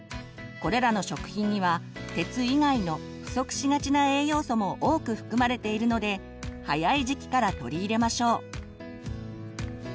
これらの食品には鉄以外の不足しがちな栄養素も多く含まれているので早い時期から取り入れましょう。